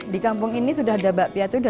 di kampung ini sudah ada mbak pia itu